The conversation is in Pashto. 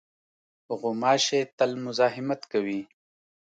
غوماشې تل مزاحمت کوي.